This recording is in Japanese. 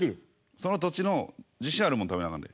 その土地の自信あるもん食べなあかんで。